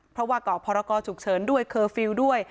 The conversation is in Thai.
เพราะว่าก่อพรกรฉุกเฉินด้วยเคอร์ฟิลล์ด้วย